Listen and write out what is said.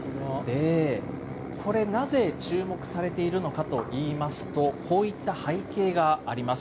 これなぜ、注目されているのかといいますと、こういった背景があります。